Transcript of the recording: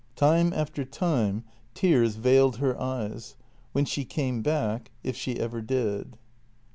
Time after time tears veiled her eyes; when she came back — if she ever did.